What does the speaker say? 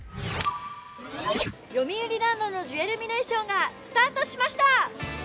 よみうりランドのジュエルミネーションがスタートしました！